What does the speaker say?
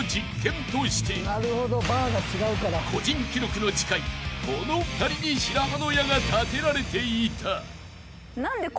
［個人記録の近いこの２人に白羽の矢が立てられていた］